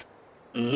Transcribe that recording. うん。